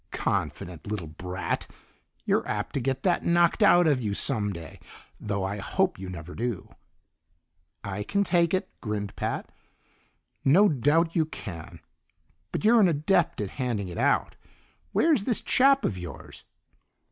"Confident little brat! You're apt to get that knocked out of you some day, though I hope you never do." "I can take it," grinned Pat. "No doubt you can, but you're an adept at handing it out. Where's this chap of yours?"